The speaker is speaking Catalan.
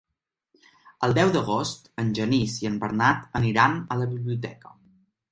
El deu d'agost en Genís i en Bernat aniran a la biblioteca.